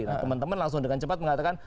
nah teman teman langsung dengan cepat mengatakan